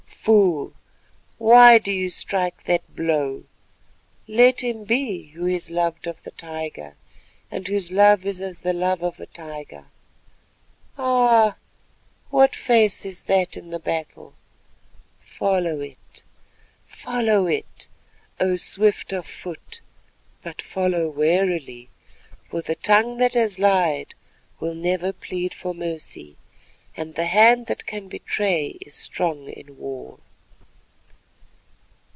Fool, why do you strike that blow? Let him be who is loved of the tiger, and whose love is as the love of a tiger. Ah! what face is that in the battle? Follow it, follow it, O swift of foot; but follow warily, for the tongue that has lied will never plead for mercy, and the hand that can betray is strong in war.